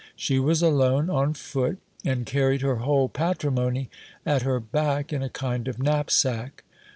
She was alone, on foot, and carried her whole patrimony at her back in a kind of knapsack.